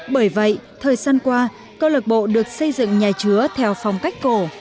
bởi vậy thời gian qua câu lạc bộ được xây dựng nhà chứa theo phong cách cổ